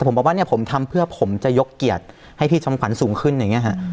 ผมบอกว่าเนี่ยผมทำเพื่อผมจะยกเกียรติให้พี่ชมขวัญสูงขึ้นอย่างนี้ฮะ